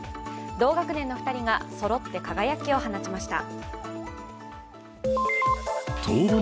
同学年の２人がそろって輝きを放ちました。